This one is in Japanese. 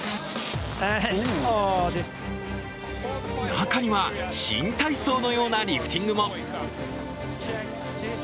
中には新体操のようなリフティングも。